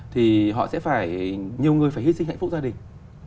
thì họ sẽ phải nhiều người phải hy sinh hạnh phúc gia đình